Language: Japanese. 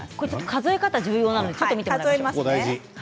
数え方重要なので見てみますね。